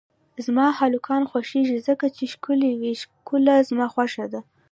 زما هلکان خوښیږی ځکه چی ښکلی وی ښکله زما خوشه ده